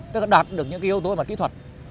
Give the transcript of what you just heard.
tức là đạt được những yếu tố kỹ thuật